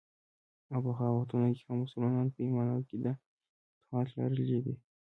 او پخوا وختونو کې هم مسلمانانو په ايمان او عقیده فتوحات لرلي دي.